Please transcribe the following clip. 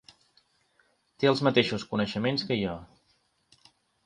Té els mateixos coneixements que jo.